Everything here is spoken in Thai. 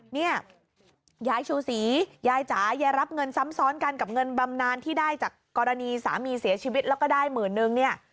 เนี่ยยายชูศรียายจ๋ายายรับเงินซ้ำซ้อนกันกับเงินบำนานที่ได้จากกรณีสามีเสียชีวิตแล้วก็ได้หมื่นนึงเนี่ย